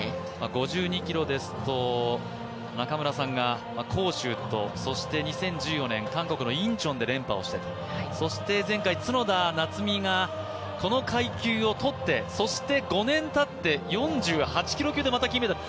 ５２キロですと、中村さんが広州と韓国のインチョンで連覇をして連覇をして、そして前回角田夏実がこの階級をとってそして５年たって４８キロ級でまた金メダル。